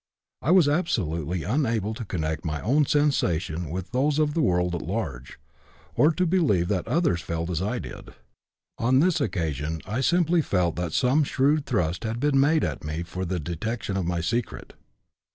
I was absolutely unable to connect my own sensations with those of the world at large or to believe that others felt as I did. On this occasion I simply felt that some shrewd thrust had been made at me for the detection of my secret.